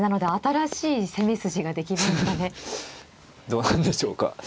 どうなんでしょうか。